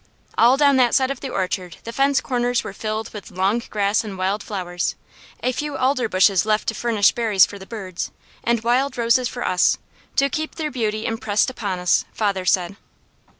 All down that side of the orchard the fence corners were filled with long grass and wild flowers, a few alder bushes left to furnish berries for the birds, and wild roses for us, to keep their beauty impressed on us, father said.